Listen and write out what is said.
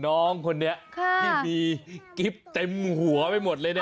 น้องคนนี้ที่มีกิ๊บเต็มหัวไปหมดเลยเนี่ย